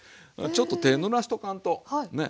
ちょっと手ぬらしとかんとね。